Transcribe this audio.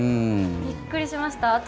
びっくりしました。